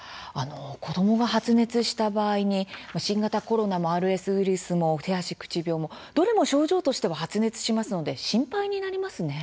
子どもが発熱した場合に新型コロナもＲＳウイルスも手足口病も、どれも症状としては発熱しますので心配になりますね。